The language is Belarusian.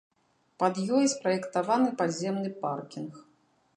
Пад ёй спраектаваны падземны паркінг.